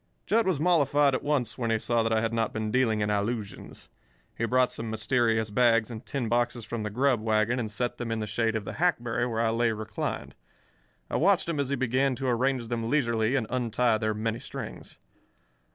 Jud was mollified at once when he saw that I had not been dealing in allusions. He brought some mysterious bags and tin boxes from the grub wagon and set them in the shade of the hackberry where I lay reclined. I watched him as he began to arrange them leisurely and untie their many strings.